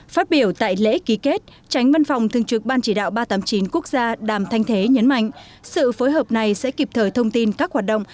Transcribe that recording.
phát biểu tại lễ ký kết tránh văn phòng thương trực ban chỉ đạo ba trăm tám mươi chín quốc gia đàm thanh thế nhấn mạnh sự phối hợp này sẽ kịp thời thông tin các hoạt động